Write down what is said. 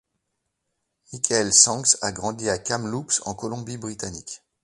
Michael Shanks a grandi à Kamloops, en Colombie-Britannique.